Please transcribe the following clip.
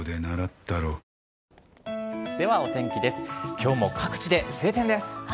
きょうも各地で晴天です。